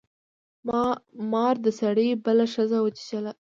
مار د سړي بله ښځه وچیچله.